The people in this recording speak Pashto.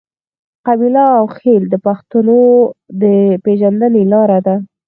قبیله او خیل د پښتنو د پیژندنې لار ده.